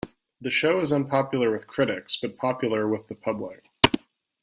The show is unpopular with critics but popular with the public.